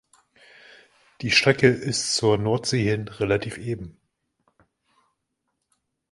Die Strecke ist zur Nordsee hin relativ eben.